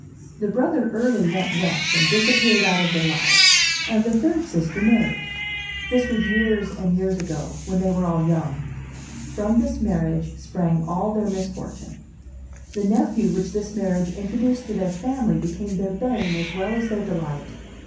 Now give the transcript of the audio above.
The brother early went West and disappeared out of their lives, and the third sister married. This was years and years ago, when they were all young. From this marriage sprang all their misfortune. The nephew which this marriage introduced to their family became their bane as well as their delight.